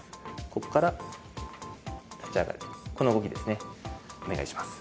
ここから立ち上がるこの動きですねお願いします